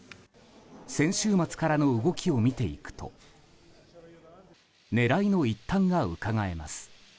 先週末からの動きを見ていくと狙いの一端がうかがえます。